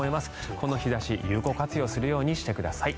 この日差し、有効活用するようにしてください。